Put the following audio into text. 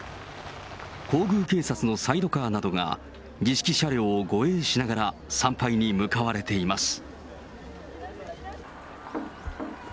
皇宮警察のサイドカーなどが、儀式車両を護衛しながら、参拝に向かわれています。